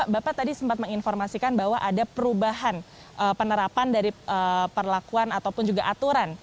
bapak tadi sempat menginformasikan bahwa ada perubahan penerapan dari perlakuan ataupun juga aturan